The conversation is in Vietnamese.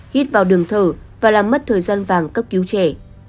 hít vào đường thở và làm mất thời gian vàng cấp cứu trẻ